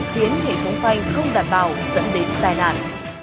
khiến hệ thống vay không đảm bảo dẫn đến tai nạn